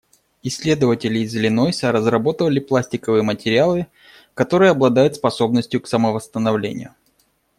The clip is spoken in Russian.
Исследователи из Иллинойса разработали пластиковые материалы, которые обладают способностью к самовосстановлению.